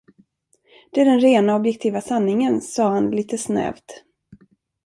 Det är den rena objektiva sanningen, sade han litet snävt.